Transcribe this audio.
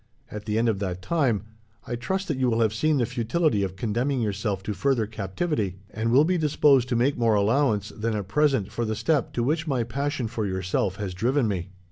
At the end of that time, I trust that you will have seen the futility of condemning yourself to further captivity, and will be disposed to make more allowance, than at present, for the step to which my passion for yourself has driven me.'